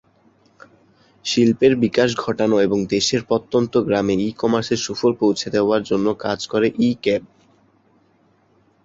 শিল্পের বিকাশ ঘটানো এবং দেশের প্রত্যন্ত গ্রামে ই-কমার্সের সুফল পৌছে দেওয়ার জন্য কাজ করে ই-ক্যাব।